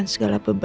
terima kasih bu